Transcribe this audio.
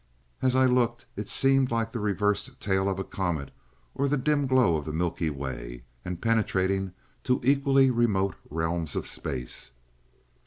As I looked it seemed like the reversed tail of a comet, or the dim glow of the Milky Way, and penetrating to equally remote realms of space.